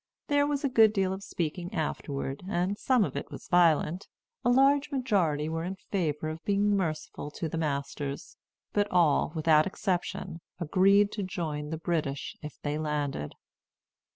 There was a good deal of speaking afterward, and some of it was violent. A large majority were in favor of being merciful to the masters; but all, without exception, agreed to join the British if they landed.